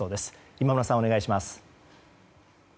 今村さん、お願いします。